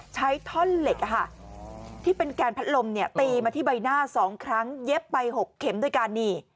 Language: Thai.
ใช้ท่อนเหล็กที่เป็นแกนพัดลมเนี่ยตีมาที่ใบหน้า๒ครั้งเย็บไป๖เข็มด้วยกันนี่